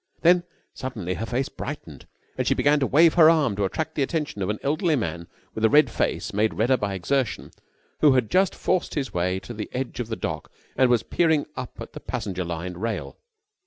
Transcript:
Then suddenly her face brightened and she began to wave her arm to attract the attention of an elderly man with a red face made redder by exertion, who had just forced his way to the edge of the dock and was peering up at the passenger lined rail.